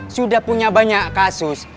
sudah punya banyak kasus